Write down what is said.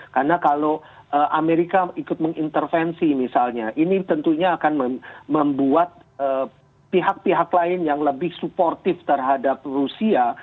karena kalau amerika ikut mengintervensi misalnya ini tentunya akan membuat pihak pihak lain yang lebih suportif terhadap rusia